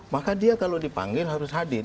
maka dia kalau dipanggil harus hadir